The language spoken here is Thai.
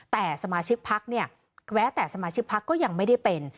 แต่สมาชิกพักเนี่ยแม้แต่สมาชิกพักก็ยังไม่ได้เป็น